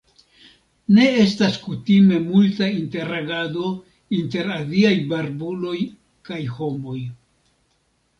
Ne estas kutime multa interagado inter aziaj barbuloj kaj homoj.